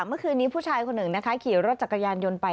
เมื่อคืนนี้ผู้ชายคนหนึ่งนะคะขี่รถจักรยานยนต์ไป